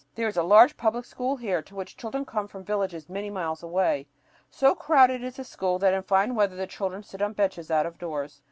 There is a large public school here, to which children come from villages many miles away. So crowded is the school that in fine weather the children sit on benches out of doors.